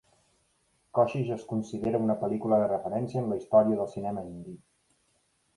Koshish és considerada una pel·lícula de referència en la història del cinema indi.